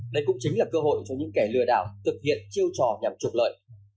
đây cũng chính là cơ hội cho những kẻ lừa đảo thực hiện chiêu trò nhằm trục lợi